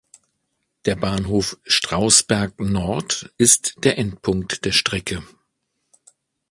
Der Bahnhof Strausberg Nord ist der Endpunkt der Strecke.